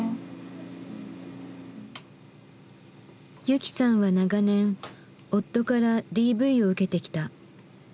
雪さんは長年夫からＤＶを受けてきた。